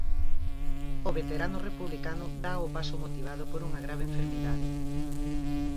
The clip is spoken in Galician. O veterano republicano dá o paso motivado por unha grave enfermidade.